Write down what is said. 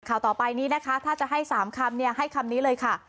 ข่าวต่อไปนี้นะคะถ้าจะให้สามคำนี้ให้คำนี้เลยค่ะ